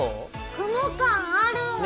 雲感ある！ね！